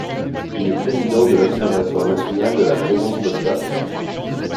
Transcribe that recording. Il est président de l'Observatoire national de la présence postale.